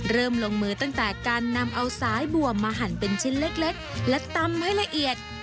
เริ่มลงมือตั้งแต่การนำเอาสายบัวมาหั่นเป็นชิ้นเล็กและตำให้ละเอียด